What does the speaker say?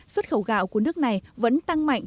xuất khẩu gạo của nước này vẫn tăng mạnh